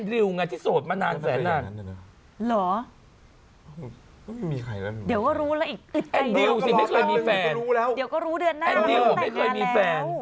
เดี๋ยวก็รู้เดือนหน้าแอนดิวไม่เคยมีแฟน